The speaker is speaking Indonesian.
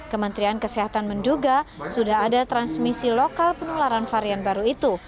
kementerian kesehatan menduga sudah ada transmisi lokal penularan varian baru itu